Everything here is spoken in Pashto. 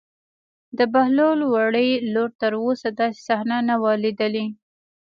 د بهلول وړې لور تر اوسه داسې صحنه نه وه لیدلې.